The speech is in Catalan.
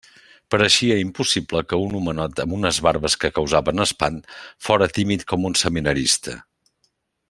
Pareixia impossible que un homenot amb unes barbes que causaven espant, fóra tímid com un seminarista.